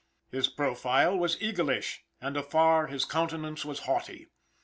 His profile was eagleish, and afar his countenance was haughty.